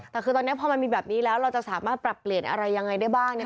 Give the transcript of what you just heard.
แต่คือตอนนี้พอมันมีแบบนี้แล้วเราจะสามารถปรับเปลี่ยนอะไรยังไงได้บ้าง